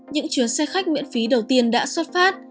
những chuyến xe khách miễn phí đầu tiên đã xuất phát